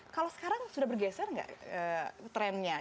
kalau sekarang sudah bergeser nggak trennya